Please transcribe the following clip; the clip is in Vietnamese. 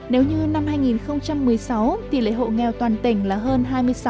nếu như năm hai nghìn một mươi sáu tỷ lệ hộ nghèo toàn tỉnh là hơn hai mươi sáu